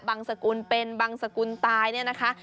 สกุลเป็นบังสกุลตายเนี่ยนะคะ